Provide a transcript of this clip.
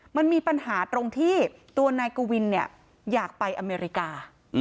มันมีปัญหาตรงที่ตัวนายกวินอยากไปอเมริกา